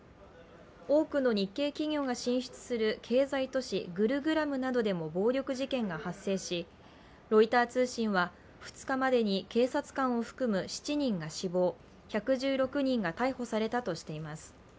多くの日系企業が進出する経済都市グルグラムなどでも暴力事件が発生し、ロイター通信は２日までに警察官を含む７人が死亡、１１６人が逮捕されたとしています。